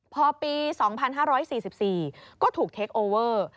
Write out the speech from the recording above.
พอปี๒๕๔๔ก็ถูกเทคโอเวอร์